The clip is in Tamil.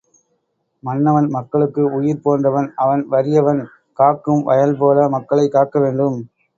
மன்னவன் மக்களுக்கு உயிர் போன்றவன் அவன் வறியவன் காக்கும் வயல் போல மக்களைக் காக்க வேண்டும்.